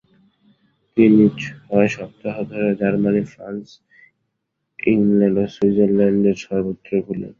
তিনি ছয় সপ্তাহ ধরে জার্মানী, ফ্রান্স, ইংলণ্ড ও সুইজরলণ্ডের সর্বত্র ঘুরবেন।